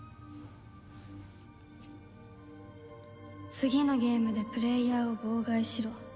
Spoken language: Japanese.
次のゲームでプレイヤーを妨害しろ